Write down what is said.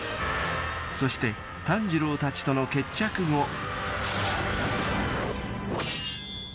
［そして炭治郎たちとの決着後］